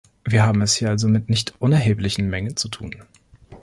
Wir haben es hier also mit nicht unerheblichen Mengen zu tun.